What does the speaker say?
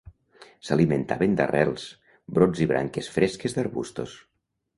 S'alimentaven d'arrels, brots i branques fresques d'arbustos.